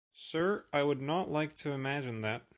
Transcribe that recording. Sir, I would not like to imagine that.